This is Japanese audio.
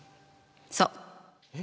そう。